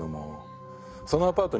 そのアパート